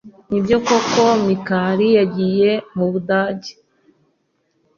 Nibyo koko Mikali yagiye mubudage?